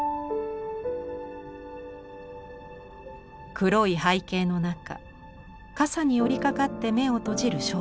黒い背景の中傘に寄りかかって眼を閉じる少女。